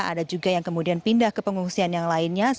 ada juga yang kemudian pindah ke pengungsian yang lainnya